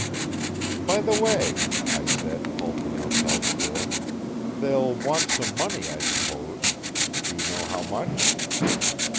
"By the way," I said, halting outside the door, "they'll want some money, I suppose. Do you know how much?"